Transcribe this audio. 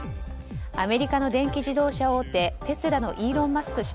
アメリカの電気自動車大手テスラのイーロン・マスク